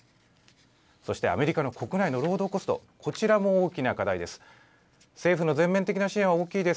そしてアメリカの国内の労働コストこちらも大きな課題です。